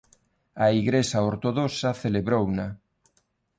A igrexa ortodoxa celebrouna.